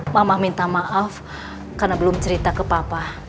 mama minta maaf karena belum cerita ke papa